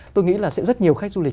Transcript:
tôi nghĩ là sẽ rất nhiều khách du lịch